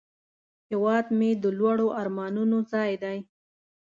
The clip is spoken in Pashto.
هیواد مې د لوړو آرمانونو ځای دی